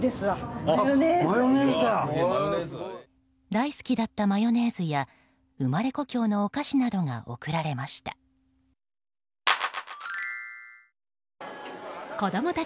大好きだったマヨネーズや生まれ故郷のお菓子などが贈られました。